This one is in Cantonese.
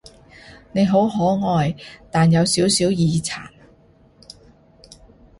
你好可愛，但有少少耳殘